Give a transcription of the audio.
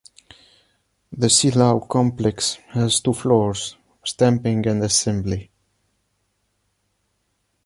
The Silao Complex has two floors, Stamping and Assembly.